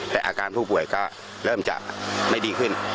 แต่อาการผู้ป่วยก็เริ่มจะไม่ดีขึ้น